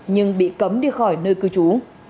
nhưng bị cấm đi khỏi nơi cư trú